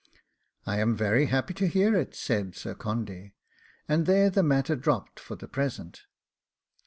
'I am very happy to hear it,' said Sir Condy; and there the matter dropped for the present.